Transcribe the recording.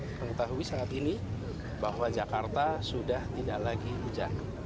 mengetahui saat ini bahwa jakarta sudah tidak lagi hujan